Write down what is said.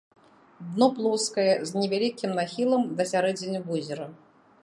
Дно плоскае з невялікім нахілам да сярэдзіны возера.